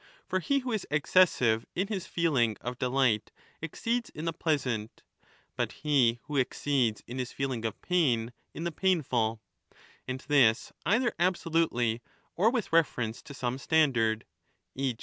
For he who is excessive in his feeling of delight exceeds in the pleasant, but he who ex 15 ceeds in his feeling of pain, in the painful — and this either absolutely or with reference to some standard, e.